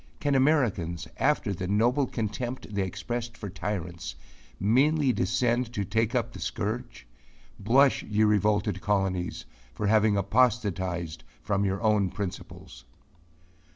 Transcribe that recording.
Can Americans, after the noble contempt they expressed for tyrants, meanly descend to take up the scourge? Blush, ye revolted colonies, for having apostatized from your own principles.